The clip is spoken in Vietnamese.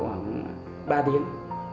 khoảng ba tiếng